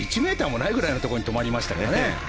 １ｍもないぐらいのところに止まりましたからね。